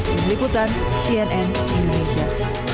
berikutan cnn indonesia